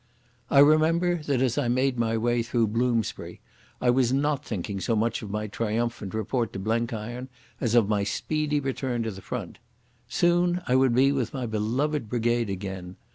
I remember that, as I made my way through Bloomsbury, I was not thinking so much of my triumphant report to Blenkiron as of my speedy return to the Front. Soon I would be with my beloved brigade again.